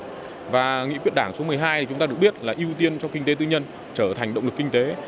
và nghị quyết đảng số một mươi hai thì chúng ta được biết là ưu tiên cho kinh tế tư nhân trở thành động lực kinh tế